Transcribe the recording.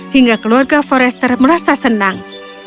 hingga keluarga forester merasa senang